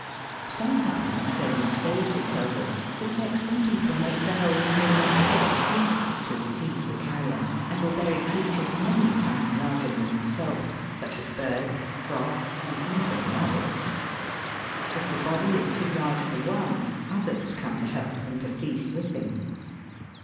Sometimes, so Miss Stavely tells us, the Sexton beetle makes a hole nearly a foot deep to receive the carrion, and will bury creatures many times larger than himself, such as birds, frogs, and even rabbits. If the body is too large for one, others come to help and to feast with him.